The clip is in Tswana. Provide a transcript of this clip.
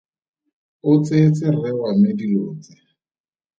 O tseetse rre wa me dilo tse.